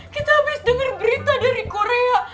kita abis denger berita dari korea